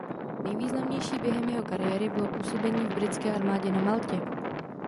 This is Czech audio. Nejvýznamnější během jeho kariéry bylo působení v Britské armádě na Maltě.